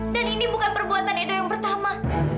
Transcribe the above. dan ini bukan perbuatan edo yang pertama